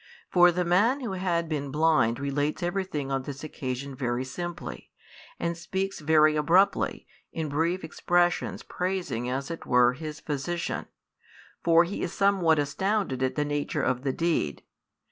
For the man who had been blind relates everything on this occasion |26 very simply, and speaks very abruptly, in brief expressions praising as. it were his Physician: for he is somewhat astounded at the nature of the deed.